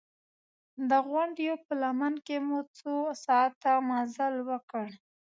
د غونډیو په لمن کې مو څو ساعته مزل وکړ.